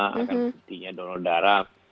akan pentingnya donor darah